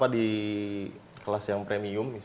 di kelas yang premium